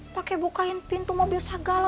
pakai bukain pintu mobil segala